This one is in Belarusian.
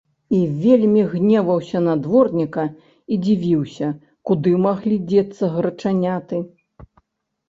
І вельмі гневаўся на дворніка і дзівіўся, куды маглі дзецца грачаняты.